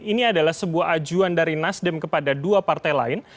ini adalah sebuah ajuan dari nasdem kepada dua partai lain